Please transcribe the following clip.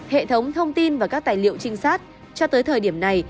hệ thống thông tin và các tài liệu trinh sát cho tới thời điểm này